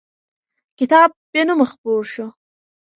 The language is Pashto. کتاب بېنومه خپور شو.